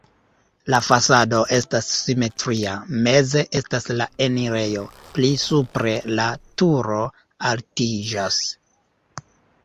La fasado estas simetria, meze estas la enirejo, pli supre la turo altiĝas.